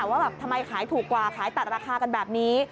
ว่าแบบทำไมขายถูกกว่าขายตัดราคากันแบบนี้